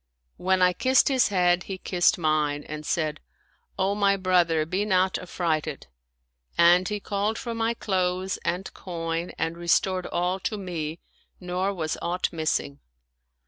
When I kissed his head, he kissed mine and said, " O my brother, be not affrighted "; and he called for my clothes and coin and restored all to me nor was aught missing.